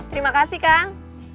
terima kasih kang